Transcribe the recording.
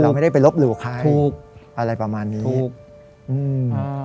ไม่ได้ไปลบหลู่ใครถูกอะไรประมาณนี้ถูกอืมอ่า